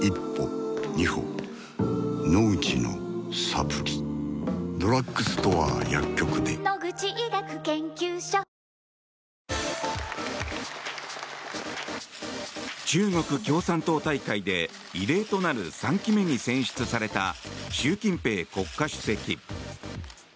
サントリー「ＶＡＲＯＮ」中国共産党大会で異例となる３期目に選出された習近平国家主席。